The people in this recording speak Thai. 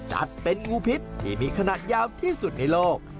จัดเป็นงูพิษที่มีขนาดยาวที่สุดในโลก